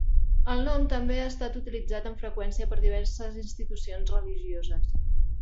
El nom també ha estat utilitzat amb freqüència per diverses institucions religioses.